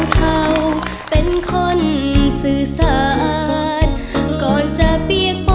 ขอบคุณครับ